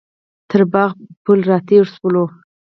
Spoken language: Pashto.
تر باغ پل راتېر شولو.